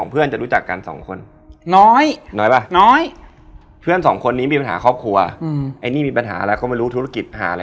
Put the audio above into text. พูดเล่นตลอดละ